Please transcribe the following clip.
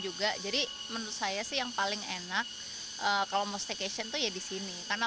juga jadi menurut saya sih yang paling enak kalau mau staycation tuh ya di sini karena